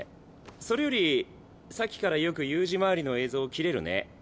それよりさっきからよく悠仁周りの映像切れるね。